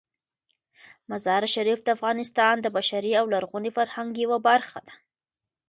مزارشریف د افغانستان د بشري او لرغوني فرهنګ یوه برخه ده.